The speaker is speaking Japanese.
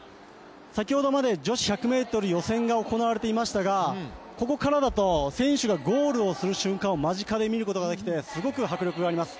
先ほどまで女子１００ｍ予選が行われていましたがここからだと、選手がゴールする瞬間を間近で見ることができてすごく迫力があります。